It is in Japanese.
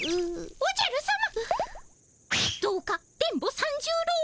おじゃるさま。